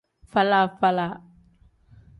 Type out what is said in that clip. Faala-faala.